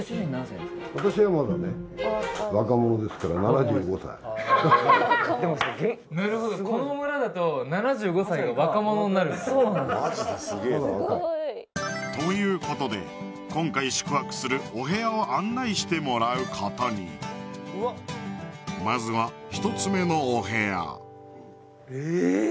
私はまだねそうなんだということで今回宿泊するお部屋を案内してもらうことにまずは１つ目のお部屋